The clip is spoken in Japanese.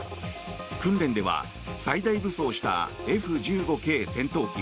訓練では最大武装したＦ１５戦闘機